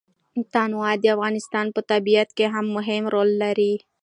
تنوع د افغانستان په طبیعت کې مهم رول لري.